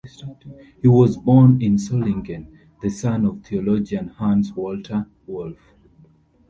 He was born in Solingen, the son of theologian Hans Walter Wolff.